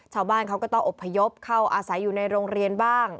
ชาวบ้านเขาก็ต้องอบพยพเข้าอาศัยอยู่ในโรงเรียนบ้าง